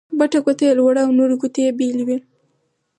بټه ګوته يي لوړه او نورې ګوتې يې بېلې وې.